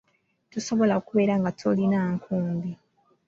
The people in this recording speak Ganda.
Tosobola kubeera nga tolina nkumbi.